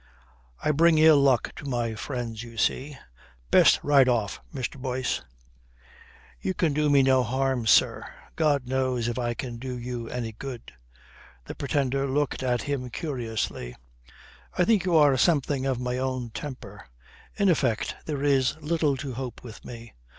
"I bring ill luck to my friends, you see. Best ride off, Mr. Boyce." "You can do me no harm, sir. God knows if I can do you any good." The Pretender looked at him curiously. "I think you are something of my own temper. In effect, there is little to hope with me."